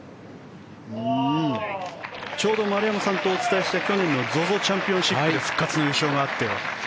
ちょうど丸山さんとお伝えした去年のＺＯＺＯチャンピオンシップで復活の優勝があって。